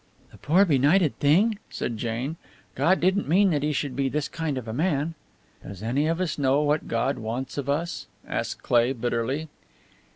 "The poor benighted thing!" said Jane. "God didn't mean that he should be this kind of a man." "Does any of us know what God wants of us?" asked Cleigh, bitterly.